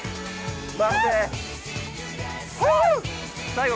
最後